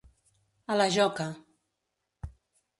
A la joca.